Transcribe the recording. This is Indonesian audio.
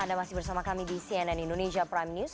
anda masih bersama kami di cnn indonesia prime news